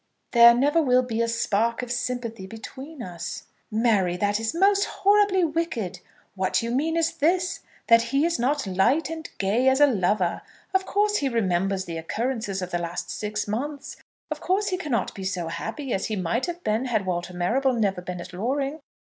"There never will be a spark of sympathy between us." "Mary, that is most horribly wicked. What you mean is this, that he is not light and gay as a lover. Of course he remembers the occurrences of the last six months. Of course he cannot be so happy as he might have been had Walter Marrable never been at Loring.